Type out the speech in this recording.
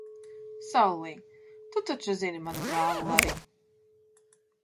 Sallij, tu taču zini manu brāli Lariju?